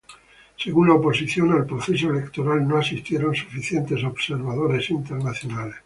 Según la oposición, al proceso electoral no asistieron suficientes observadores internacionales.